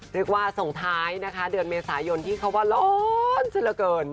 เรียกว่าส่งท้ายนะคะเดือนเมษายนที่เขาว่าร้อนจรเกิน